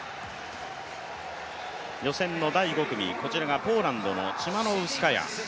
予選の第５組、こちらがポーランドのチマノウスカヤ。